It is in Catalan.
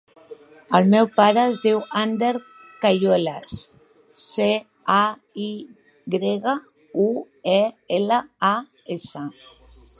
El meu pare es diu Ander Cayuelas: ce, a, i grega, u, e, ela, a, essa.